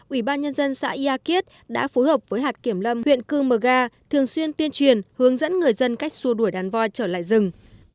ủy ban nhân dân xã yà kiết đã phối hợp với hạt kiểm lâm huyện cư mờ ga thường xuyên tuyên truyền hướng dẫn người dân cách xua đuổi đàn voi trở lại rừng